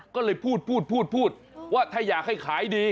ก็เลยพูดพูดว่าถ้าอยากให้ขายดี